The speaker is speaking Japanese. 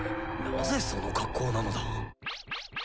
なぜその格好なのだ？